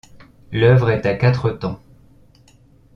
L'œuvre est à quatre temps.